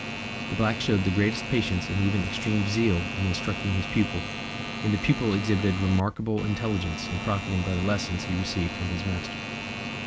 The black showed the greatest patience and even extreme zeal in instructing his pupil, and the pupil exhibited remarkable intelligence in profiting by the lessons he received from his master.